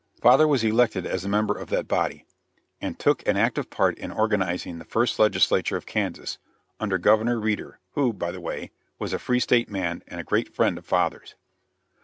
Father was elected as a member of that body, and took an active part in organizing the first legislature of Kansas, under Governor Reeder, who, by the way, was a Free State man and a great friend of father's.